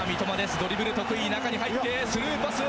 ドリブル得意、中に入って、スルーパス。